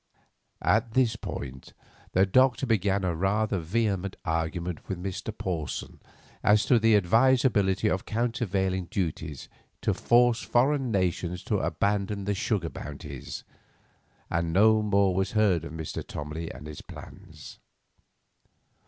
At this point the Doctor began a rather vehement argument with Mr. Porson as to the advisability of countervailing duties to force foreign nations to abandon the sugar bounties, and no more was heard of Mr. Tomley and his plans.